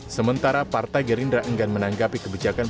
sementara partai gerindra enggan menanggapi kebijakan partai yang diperlukan